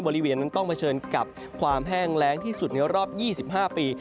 บริเวณนั้นต้องเผชิญกับความแห้งแรงที่สุดในรอบ๒๕ปี